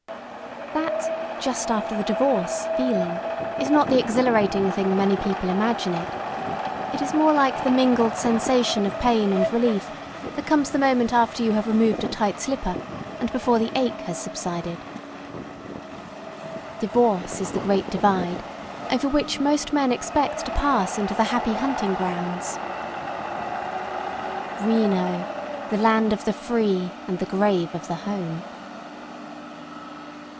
That "just after the divorce" feeling is not the exhilarating thing many people imagine it. It is more like the mingled sensation of pain and relief that comes the moment after you have removed a tight slipper and before the ache has subsided. Divorce is the Great Divide, over which most men expect to pass into the Happy Hunting Grounds. Reno! The land of the free and the grave of the home!